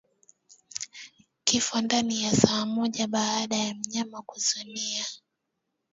Kifo ndani ya saa moja baada ya mnyama kuzimia